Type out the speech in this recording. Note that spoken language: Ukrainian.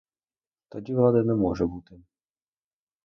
Тоді влади не може бути.